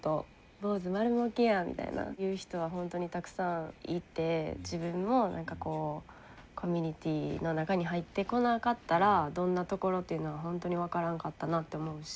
「坊主丸もうけやん」みたいな言う人はほんとにたくさんいて自分もなんかこうコミュニティーの中に入ってこなかったらどんな所っていうのはほんとに分からんかったなって思うし。